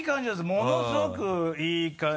ものすごくいい感じ